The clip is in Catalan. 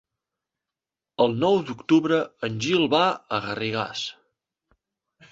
El nou d'octubre en Gil va a Garrigàs.